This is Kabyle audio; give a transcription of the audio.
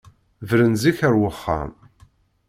Bren-d zik ar wexxam!